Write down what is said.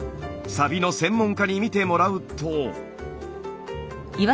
サビの専門家に見てもらうと。